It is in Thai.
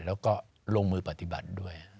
แล้วก็ลงมือปฏิบัติด้วย